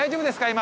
今。